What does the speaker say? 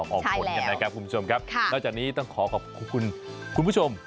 ช่วงนี้ผลไม้ออกหนอกออกขนทุกคนค่ะแล้วจากนี้ต้องขอขอบคุณคุณผู้ชม